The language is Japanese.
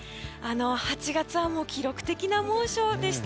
８月は記録的な猛暑でした。